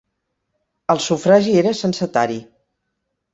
El sufragi era censatari.